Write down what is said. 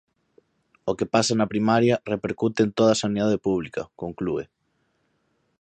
O que pasa na primaria repercute en toda a sanidade pública, conclúe.